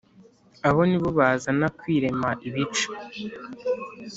abo ni bo bazana kwirema ibice